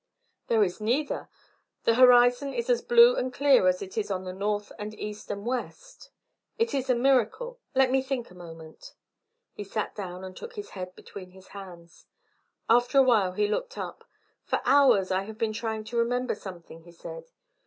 "There is neither. The horizon is as blue and clear as it is on the north and east and west. It is a miracle. Let me think a moment." He sat down and took his head between his hands. After a while he looked up. "For hours I have been trying to remember something," he said.